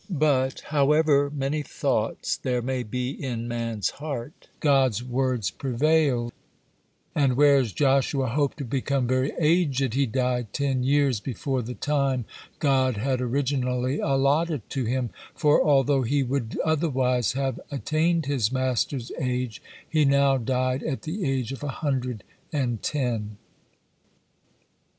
But, "however many thought there may be in man's heart, God's words prevails," and whereas Joshua hoped to become very aged, he died ten years before the time God had originally allotted to him, for, although he would otherwise have attained his master's age, he now died at the age of a hundred and ten.